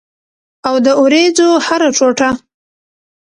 او د اوریځو هره ټوټه